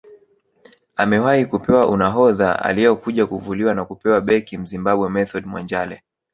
Amewahi kupewa unahodha aliokuja kuvuliwa na kupewa beki Mzimbabwe Method Mwanjale